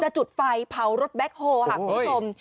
จะจุดไฟเผารถแบคโฮล์ครับผู้ชม